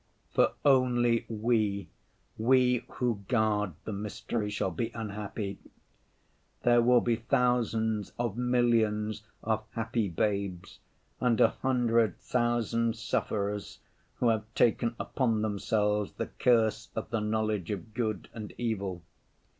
For only we, we who guard the mystery, shall be unhappy. There will be thousands of millions of happy babes, and a hundred thousand sufferers who have taken upon themselves the curse of the knowledge of good and evil.